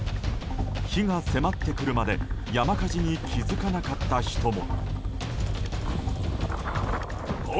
火が迫ってくるまで山火事に気づかなかった人も。